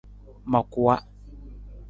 Ma kuwa.